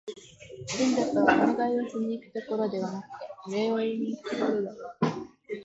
神社とは、お願いをしに行くところではなくて、お礼を言いにいくところだよ